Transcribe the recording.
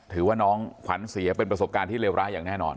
ถือว่าน้องขวัญเสียเป็นประสบการณ์ที่เลวร้ายอย่างแน่นอน